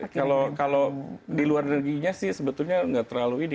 kalau di luar negerinya sih sebetulnya nggak terlalu ini